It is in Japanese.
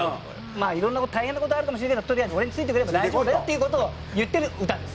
まあ色んな大変な事あるかもしれないけどとりあえず俺についてくれば大丈夫だよっていう事を言ってる歌です